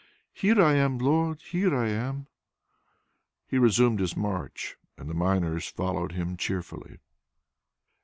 Here I am, Lord, here I am." He resumed his march, and the miners followed him cheerfully.